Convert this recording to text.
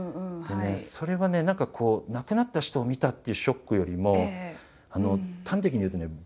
でねそれはね何かこう亡くなった人を見たっていうショックよりも端的に言うとねああ。